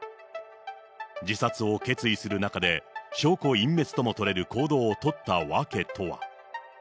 自殺を決意する中で、証拠隠滅とも取れる行動を取ったわけとは。